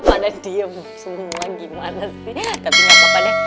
kok pada diem semua gimana sih tapi gak apa apanya